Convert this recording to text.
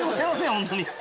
本当に。